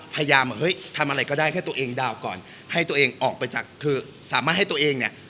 พยายามเฮ้ยทำอะไรก็ได้แค่ตัวเองดาวก่อนให้ตัวเองออกไปจากคือสามารถให้ตัวเองเนี่ย